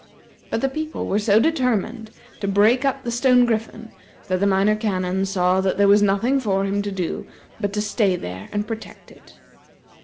But the people were so determined to break up the stone griffin that the Minor Canon saw that there was nothing for him to do but to stay there and protect it.